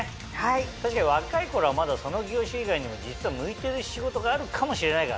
確かに若い頃はまだその業種以外にも実は向いている仕事があるかもしれないからね。